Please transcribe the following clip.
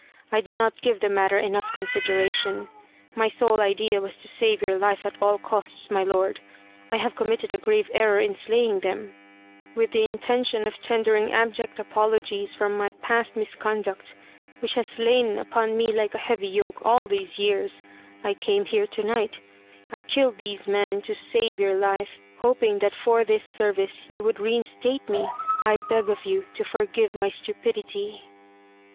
I did not give the matter enough consideration. My sole idea was to save your life at all costs, my lord ! I have committed a grave error in slaying them. With 8 , The Quest of the Sword the intention of tendering abject apologies for my past misconduct, which has lain upon me like a heavy yoke all these years, I came here to night. I killed these men to save your life hoping that for this service you would reinstate me. I beg of you to forgive my stupidity."